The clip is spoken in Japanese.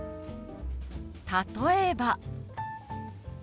例えば。